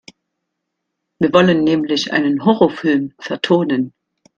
Wir wollen nämlich einen Horrorfilm vertonen.